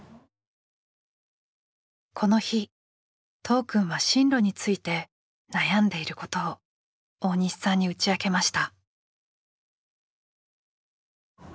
この日都央くんは進路について悩んでいることを大西さんに打ち明けました。